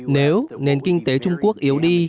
nếu nền kinh tế trung quốc yếu đi